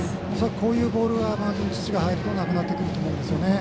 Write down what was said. こういうボールはマウンドに土が入ればなくなってくると思うんですよね。